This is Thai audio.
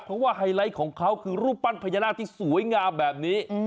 เพราะว่าไฮไลท์ของเขาคือรูปปั้นพญานาคที่สวยงามแบบนี้